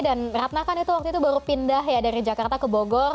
dan ratna kan waktu itu baru pindah ya dari jakarta ke bogor